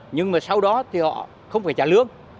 nhưng mà sau đó thì họ không phải trả lương